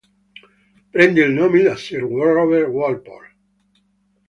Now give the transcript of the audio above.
Prende il nome da Sir Robert Walpole.